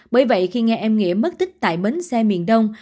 bởi vậy khi nghe em nghĩa mất tích tại bến xe miền đông